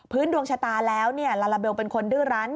พื้นดวงชะตาแล้วเนี่ยลาลาเบลเป็นคนดื้อรั้น